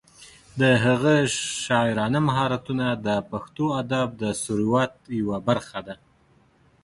د هغه شاعرانه مهارتونه د پښتو ادب د ثروت یوه برخه ده.